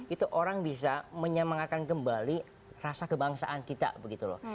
itu orang bisa menyemangatkan kembali rasa kebangsaan kita begitu loh